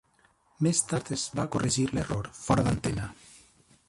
Més tard es va corregir l'error, fora d'antena.